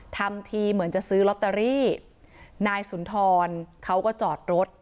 ทำทีเหมือนจะซื้อลอตเตอรี่นายสุนทรเขาก็จอดรถ